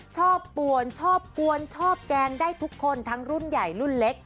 ป่วนชอบกวนชอบแกล้งได้ทุกคนทั้งรุ่นใหญ่รุ่นเล็ก